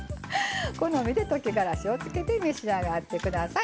好みで溶きがらしをつけて召し上がって下さい。